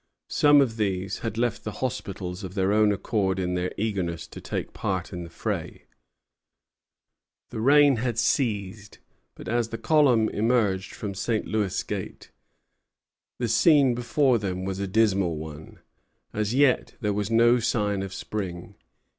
Some of these had left the hospitals of their own accord in their eagerness to take part in the fray. Murray to Pitt, 25 May, 1760. The rain had ceased; but as the column emerged from St. Louis Gate, the scene before them was a dismal one. As yet there was no sign of spring.